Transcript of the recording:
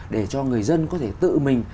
để cho người dân có thể tự mình